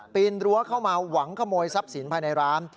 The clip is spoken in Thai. นรั้วเข้ามาหวังขโมยทรัพย์สินภายในร้าน